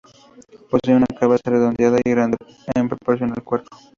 Poseen una cabeza redondeada y grande en proporción al cuerpo.